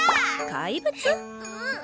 怪物？